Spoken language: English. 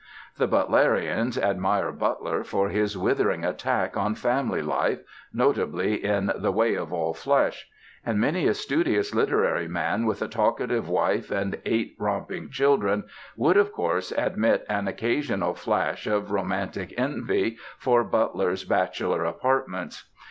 The Butlerians admire Butler for his withering attack on family life, notably in "The Way of All Flesh"; and many a studious literary man with a talkative wife and eight romping children would, of course, admit an occasional flash of romantic envy for Butler's bachelor apartments.